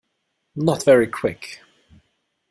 Not very Quick.